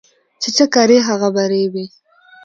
چي څه کرې هغه به رېبې